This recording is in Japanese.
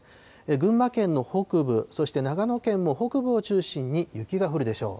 群馬県の北部、そして長野県の北部を中心に雪が降るでしょう。